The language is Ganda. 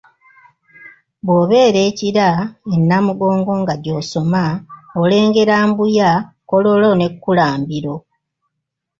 "Bw’obeera e Kira e Namugongo nga gy’osoma, olengera Mbuya, Kololo ne Kkulambiro."